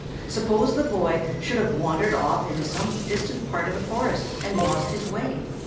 Suppose the boy should have wandered off into some distant part of the forest, and lost his way?